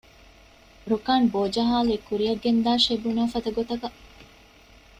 ރުކާން ބޯޖަހާލީ ކުރިއަށް ގެންދާށޭ ބުނާފަދަ ގޮތަކަށް